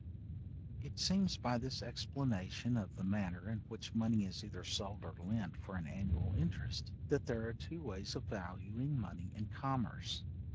It seems by this explanation of the manner in which money is either sold or lent for an annual interest, that there are two ways of valuing money in commerce.